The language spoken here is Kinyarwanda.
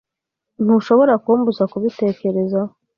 Ntushobora kumbuza kubitekerezaho.